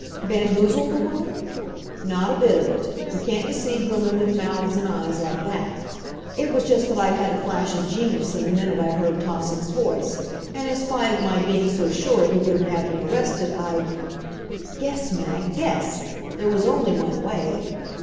Bamboozled the woman? Not a bit of it; you can't deceive women with mouths and eyes like that. It was just that I'd had a flash of genius in the minute I heard Tausig's voice, and in spite of my being so sure he wouldn't have me arrested I'd Guess, Mag, guess! There was only one way.